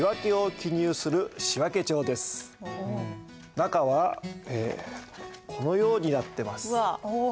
中はこのようになってます。